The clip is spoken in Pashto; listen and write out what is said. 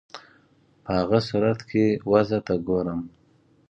په هغه صورت کې وضع ته ګورم.